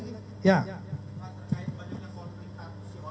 terkait banyaknya konflik tanpa siwarna ini